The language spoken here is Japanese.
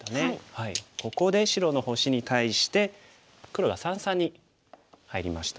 ここで白の星に対して黒が三々に入りました。